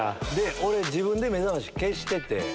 俺自分で目覚まし消してて。